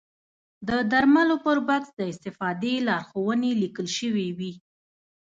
د درملو پر بکس د استفادې لارښوونې لیکل شوې وي.